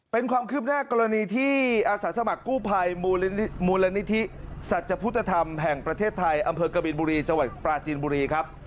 เป็นความคืบหน้ากรณีที่อาสาสมัครกู้ภัยมูลนิธิสัจพุทธธรรมแห่งประเทศไทยอำเภอกบินบุรีจังหวัดปราจีนบุรีครับ